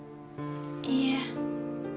いいえ。